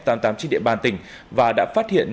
trên địa bàn tỉnh và đã phát hiện